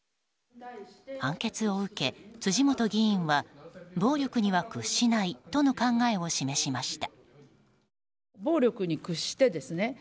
判決を受け、辻元議員は暴力には屈しないとの考えを示しました。